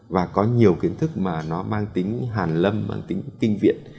và có nhiều kiến thức mà nó mang tính hàn lâm bằng tính kinh viện